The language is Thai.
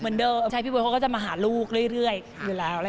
เหมือนเดิมใช่พี่บ๊วยเขาก็จะมาหาลูกเรื่อยอยู่แล้ว